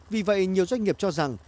vì vậy nhiều doanh nghiệp cho rằng